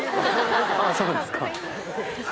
あそうですか。